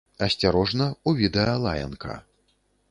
Асцярожна, у відэа лаянка!